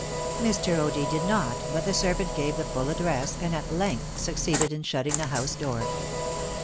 " Mr. O'D. did not, but the servant gave the full address, and at length succeeded in shutting the house door.